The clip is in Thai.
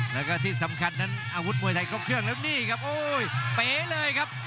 แล้วก็ที่สำคัญนั้นอาวุธมวยไทยครบเครื่องแล้วนี่ครับโอ้ยเป๋เลยครับ